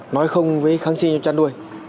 nói không với kháng sinh trong trăn nuôi